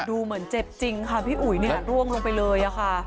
ดูเหมือนเจ็บจริงค่ะพี่อุ๋ยเนี่ยร่วงลงไปเลยค่ะ